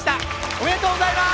おめでとうございます！